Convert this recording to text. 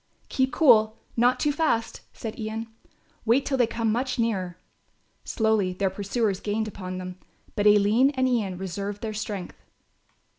"Keep cool, not too fast," said Ian, "wait till they come much nearer." Slowly their pursuers gained upon them, but Aline and Ian reserved their strength.